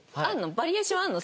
バリエーションあるの？